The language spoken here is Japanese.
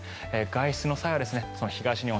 外出の際は東日本